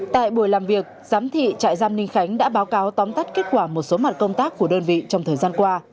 tại buổi làm việc giám thị trại giam ninh khánh đã báo cáo tóm tắt kết quả một số mặt công tác của đơn vị trong thời gian qua